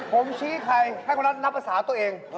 ผมชี้ใครให้คนนั้นนับภาษาตัวเอง